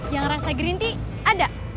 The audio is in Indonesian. yang rasa green tea ada